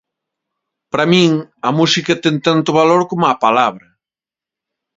Para min, a música ten tanto valor como a palabra.